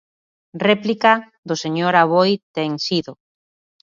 Réplica do señor Aboi Tenxido.